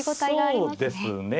そうですね。